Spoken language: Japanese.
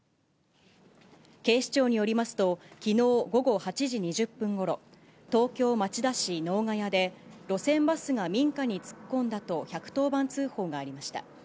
警視庁によりますと、きのう午後８時２０分ごろ、東京・町田市能ヶ谷で、路線バスが民家に突っ込んだと１１０番通報がありました。